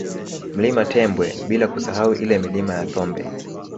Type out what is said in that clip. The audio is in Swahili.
Mlima Tembwe bila kusahau ile Milima ya Thombe